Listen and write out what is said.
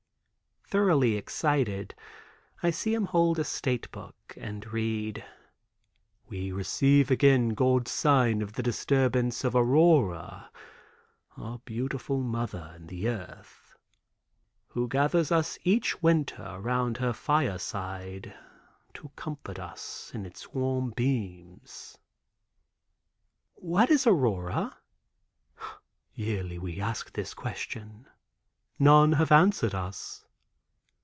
Thoroughly excited, I see him hold a state book and read: "We receive again God's sign of the disturbance of aurora—our beautiful mother in the earth—who gathers us each winter around her fireside to comfort us in its warm beams." "What is aurora?" "Yearly we ask this question. None have answered us.